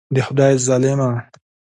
د خدای ظالمه.